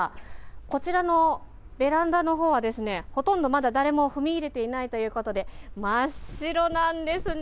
こちらのベランダのほうは、ほとんどまだ誰も踏み入れていないということで、真っ白なんですね。